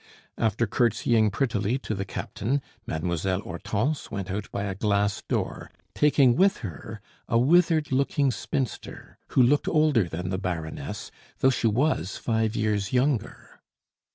After curtseying prettily to the captain, Mademoiselle Hortense went out by a glass door, taking with her a withered looking spinster, who looked older than the Baroness, though she was five years younger.